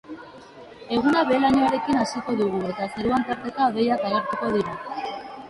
Eguna behe-lainoarekin hasiko dugu eta zeruan tarteka hodeiak agertuko dira.